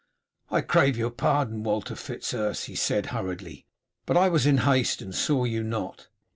"I crave your pardon, Walter Fitz Urse," he said hurriedly, "but I was in haste and saw you not."